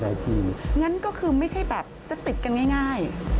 งั้นก็คือไม่ใช่แบบจะติดกันง่าย